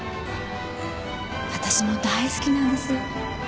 私も大好きなんですよ。